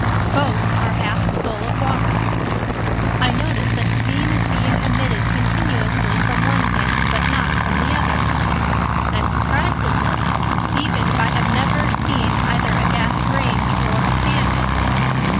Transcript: Both are half full of water. I notice that steam is being emitted continuously from the one pan, but not from the other. I am surprised at this, even if I have never seen either a gas range or a pan before.